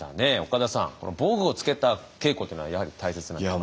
岡田さん防具をつけた稽古というのはやはり大切なんですか？